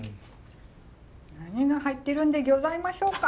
何が入ってるんでぎょざいましょうか？